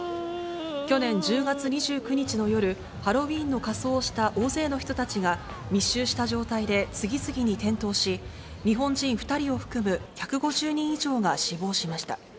去年１０月２９日の夜、ハロウィーンを仮装をした大勢の人たちが、密集した状態で次々に転倒し、日本人２人を含む１５０人以上が死亡しました。